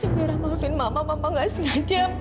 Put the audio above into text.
biar aku maafin mama mama gak sengaja